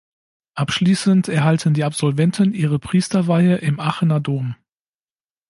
Abschließend erhalten die Absolventen ihre Priesterweihe im Aachener Dom.